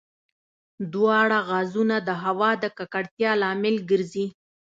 دواړه غازونه د هوا د ککړتیا لامل ګرځي.